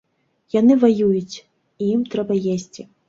Яны ваююць, і ім трэба есці.